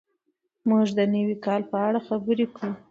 موږ د نوي کال په اړه خبرې کوو.